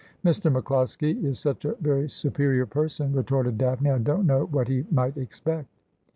'Mr. MacCIoskie is such a very superior person,' retorted Daphne, ' I don't know what he might expect.'